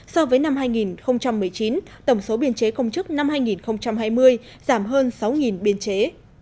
so với năm hai nghìn một mươi chín tổng số biên chế công chức năm hai nghìn hai mươi giảm hơn sáu biên chế